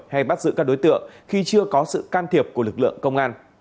hay bắt giữ các đối tượng khi chưa có sự can thiệp của lực lượng công an